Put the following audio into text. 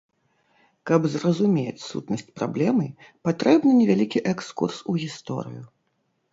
Каб зразумець сутнасць праблемы, патрэбны невялікі экскурс у гісторыю.